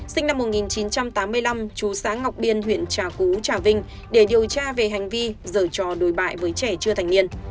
sinh năm một nghìn chín trăm tám mươi năm chú sáng ngọc biên huyện trà cú trà vinh để điều tra về hành vi giờ trò đùi bại với trẻ chưa thành niên